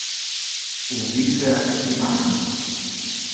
Un vice a septimana.